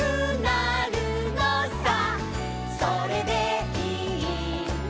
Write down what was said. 「それでいいんだ」